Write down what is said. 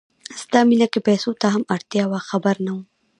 ستا مینه کې پیسو ته هم اړتیا وه خبر نه وم